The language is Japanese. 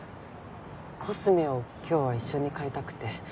コスメを今日は一緒に買いたくて。